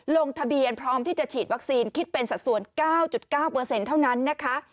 ลงทะเบียนพร้อมที่จะฉีดวัคซีนคิดเป็นสัดส่วน๙๙เท่านั้นนะคะ